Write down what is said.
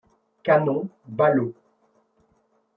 Canons, ballots ;